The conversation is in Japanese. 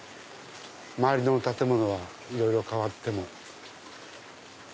周りの建物はいろいろ変わっても。